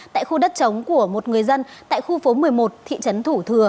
tại khu đất chống của một người dân tại khu phố một mươi một thị trấn thủ thừa